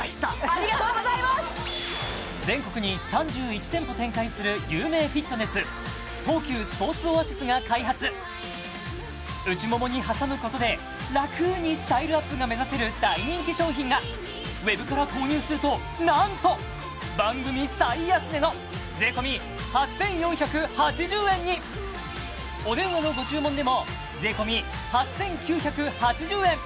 ありがとうございます全国に３１店舗展開する有名フィットネス東急スポーツオアシスが開発内ももに挟むことでラクにスタイルアップが目指せる大人気商品がウェブから購入すると何と番組最安値の税込８４８０円にお電話のご注文でも税込８９８０円